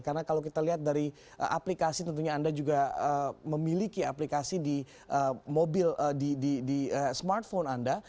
karena kalau kita lihat dari aplikasi tentunya anda juga memiliki aplikasi di smartphone anda